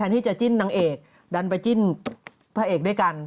อืมอืมอืมอืมอืมอืม